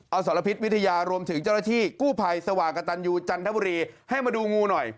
เอาสรพิษวิทยารวมถึงเจ้าหน้าที่กู้ภัยสว่างกระตันยูจันทบุรีให้มาดูงูหน่อย